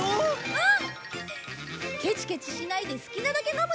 うん！